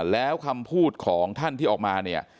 แล้วคำพูดของท่านที่ออกมาเนี่ย